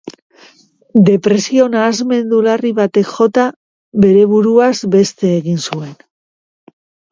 Depresio-nahasmendu larri batek jota, bere buruaz beste egin zuen.